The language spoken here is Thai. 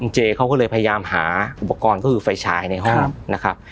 เจมส์เขาก็เลยพยายามหาอุปกรณ์ก็คือไฟชายในห้อง